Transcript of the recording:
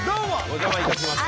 お邪魔いたします。